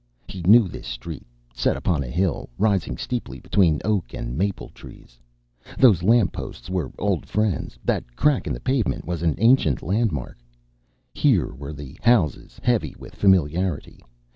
He knew this street, set upon a hill, rising steeply between oak and maple trees. Those lampposts were old friends, that crack in the pavement was an ancient landmark. Here were the houses, heavy with familiarity.